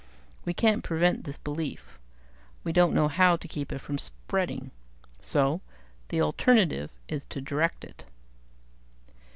We can't prevent this belief; we don't know how to keep it from spreading. So the alternative is to direct it."